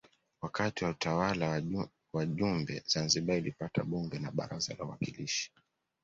Wakati wa utawala wa Jumbe Zanzibar ilipata Bunge na Baraza la Uwakilishi